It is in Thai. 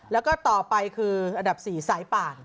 แล้วก็ต่อไปคืออันดับ๔สายป่าน